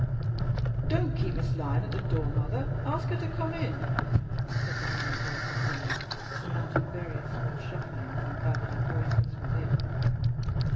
"Don't keep Miss Lyon at the door, mother; ask her to come in," said the ringing voice of Felix, surmounting various small shufflings and babbling voices within.